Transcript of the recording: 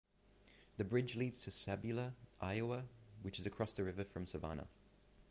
The bridge leads to Sabula, Iowa, which is across the river from Savanna.